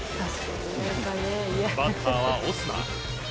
バッターはオスナ。